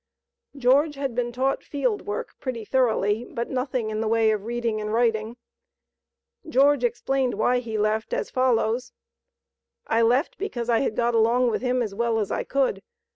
George had been taught field work pretty thoroughly, but nothing in the way of reading and writing. George explained why he left as follows: "I left because I had got along with him as well as I could.